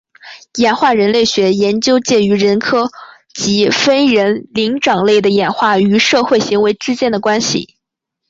演化人类学研究介于人科及非人灵长类的演化与社会行为之间的关系。